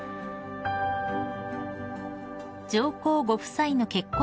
［上皇ご夫妻の結婚